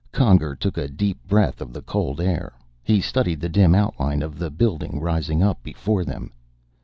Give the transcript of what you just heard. Conger took a deep breath of the cold air. He studied the dim outline of the building rising up before them.